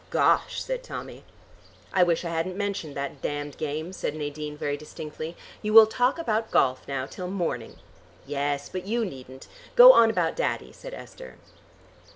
"Gosh," said Tommy. "I wish I hadn't mentioned that damned game," said Nadine very distinctly. "You will talk about golf now till morning." "Yes, but you needn't. Go on about Daddy," said Esther.